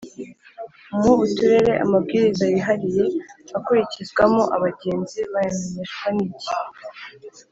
mu uturere amabwiriza y’ihariye akurikizwamo abagenzi bayamenyeshwa niki